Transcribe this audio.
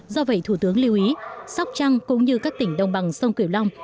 do vậy thủ tướng lưu ý sóc trăng cũng như các tỉnh đông bằng sông cửu long